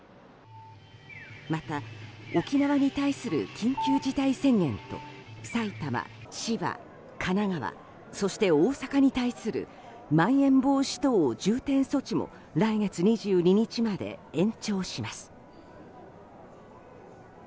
また沖縄に対する緊急事態宣言と埼玉、千葉、神奈川そして、大阪に対するまん延防止等重点措置も来月２２日まで延長します。